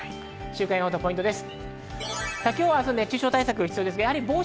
週間予報とポイントです。